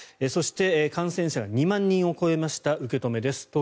そして、感染者が２万人を超えました受け止めです。